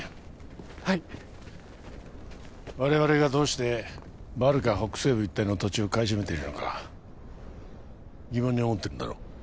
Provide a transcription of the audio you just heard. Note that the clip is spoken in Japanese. はい我々がどうしてバルカ北西部一帯の土地を買い占めているのか疑問に思ってるんだろ？